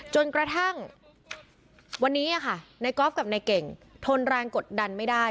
จนกระทั่งวันนี้อะค่ะในกอล์ฟกับในเก่งทนรังกดดันไม่ได้